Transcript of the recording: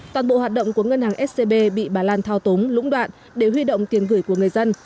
toàn bộ hoạt động của ngân hàng scb bị bà lan thao túng lũng đoạn để huy động tiền gửi của người dân